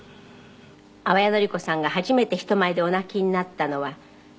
淡谷のり子さんが初めて人前でお泣きになったのは。